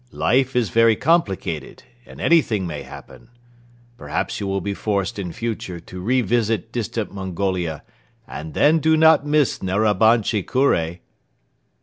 Life is very complicated and anything may happen. Perhaps you will be forced in future to re visit distant Mongolia and then do not miss Narabanchi Kure."